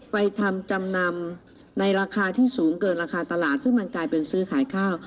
ไปทำจำนำในราคาที่สูงเกินราคาตลาดซึ่งมันกลายเป็นซื้อขายข้าว